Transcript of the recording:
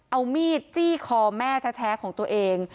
เอามีดจี้คอแม่แท้ของตัวเอง